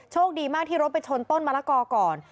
โชคดีมากที่รถไปชนต้นมลักกอเกาะก่อน